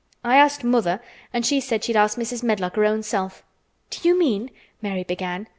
I asked mother—and she said she'd ask Mrs. Medlock her own self." "Do you mean—" Mary began.